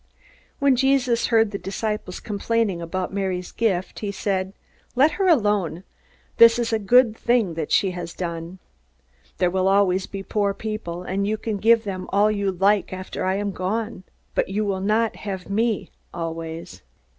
When Jesus heard the disciples complaining about Mary's gift, he said: "Let her alone. This is a good thing that she has done. There will always be poor people, and you can give them all you like after I am gone. But you will not have me always.